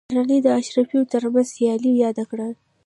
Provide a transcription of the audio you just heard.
برني د اشرافو ترمنځ سیالي یاده کړې ده.